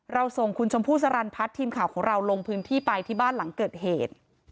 ส่งคุณชมพู่สรรพัฒน์ทีมข่าวของเราลงพื้นที่ไปที่บ้านหลังเกิดเหตุ